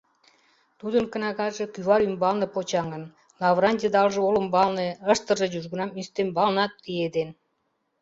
Тудын кнагаже кӱвар ӱмбалне почаҥын, лавыран йыдалже олымбалне, ыштырже южгунам ӱстембалнат лиеден.